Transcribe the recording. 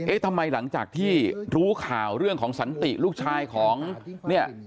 ทำไมหลังจากที่รู้ข่าวเรื่องของสันติลูกชายของเนี่ย